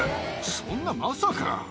そんな、まさか。